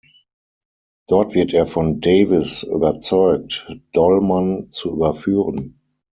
Dort wird er von Davies überzeugt, Dollmann zu überführen.